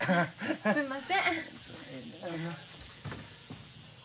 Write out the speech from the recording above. すんません。